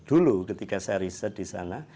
dulu ketika saya riset di sana